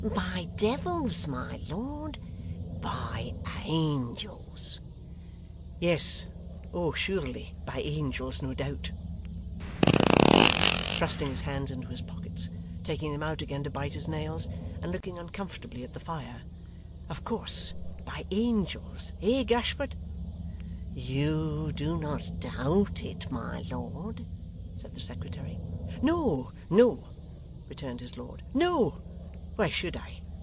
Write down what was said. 'By devils! my lord! By angels.' 'Yes oh surely by angels, no doubt,' said Lord George, thrusting his hands into his pockets, taking them out again to bite his nails, and looking uncomfortably at the fire. 'Of course by angels eh Gashford?' 'You do not doubt it, my lord?' said the secretary. 'No No,' returned his lord. 'No. Why should I?